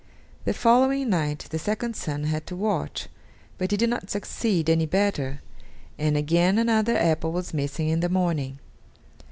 The following night the second son had to watch, but he did not succeed any better, and again another apple was missing in the morning.